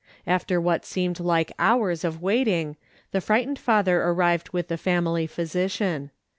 After what seemed like hours of waiting, the frightened father arrived with the family physician.